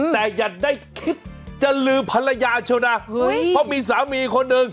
แต่อย่าได้คิดจะลืมภรรยาเชียวนะเพราะมีสามีคนหนึ่ง